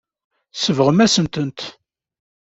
Tsebɣem-asent-tent.